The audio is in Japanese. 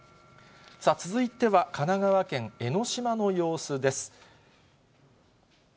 続いては神奈川県江の島の様子です。